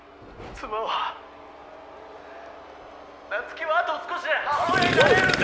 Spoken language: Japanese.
夏希はあと少しで母親になれるんだよ！